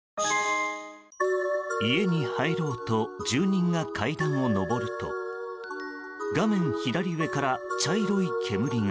家に入ろうと住民が階段を上ると画面左上から茶色い煙が。